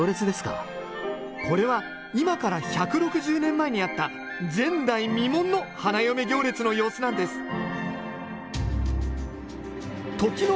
これは今から１６０年前にあった前代未聞の花嫁行列の様子なんです時の天皇孝明天皇の妹和宮と